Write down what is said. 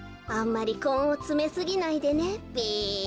あんまりこんをつめすぎないでねべ。